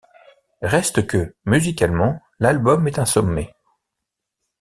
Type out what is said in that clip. Reste que, musicalement, l'album est un sommet.